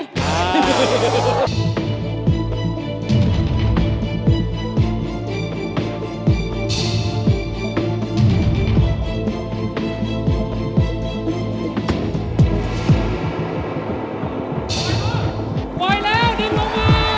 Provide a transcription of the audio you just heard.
ไหวแล้วดินลงมา